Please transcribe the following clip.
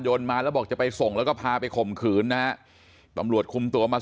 มาแล้วบอกจะไปส่งแล้วก็พาไปข่มขืนนะฮะตำรวจคุมตัวมา